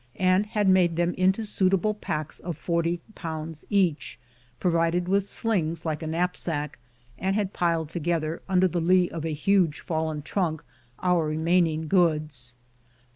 and had made them up into suitable packs of forty pounds each, provided with slings like a knap sack, and had piled together under the lee of a huge fallen trunk our remaining goods.